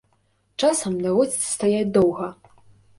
Часам даводзіцца стаяць доўга.